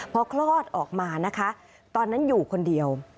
พอคลอดออกมานะคะตอนนั้นอยู่คนเดียว